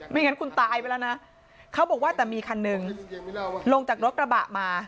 งั้นคุณตายไปแล้วนะเขาบอกว่าแต่มีคันหนึ่งลงจากรถกระบะมา